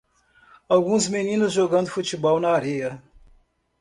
Alguns meninos jogando futebol na areia